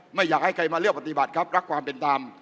ไม่อยากให้ใครมาเลือกปฏิบัติครับรักความเป็นธรรม